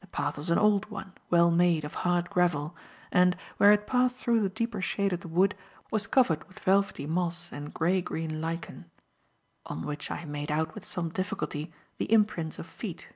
The path was an old one, well made of hard gravel, and, where it passed through the deeper shade of the wood, was covered with velvety moss and grey green lichen; on which I made out with some difficulty, the imprints of feet.